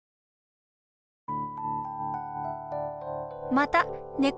またねこ